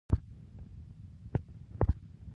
د ودې هورمون د بدن د ودې لامل ګرځي.